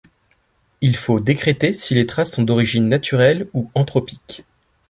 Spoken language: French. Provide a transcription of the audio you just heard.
Il faut décréter si les traces sont d'origine naturelle ou anthropique.